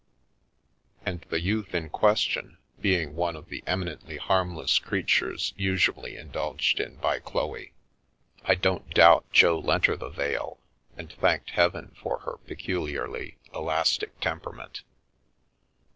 And the youth in ques tion, being one of the eminently harmless creatures usu ally indulged in by Chloe, I don't doubt Jo lent her the 161 The Milky Way veil, and thanked Heaven for her peculiarly elastic tem perament.